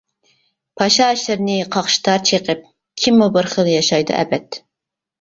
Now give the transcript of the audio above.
پاشا شىرنى قاقشىتار چېقىپ، كىممۇ بىر خىل ياشايدۇ ئەبەد.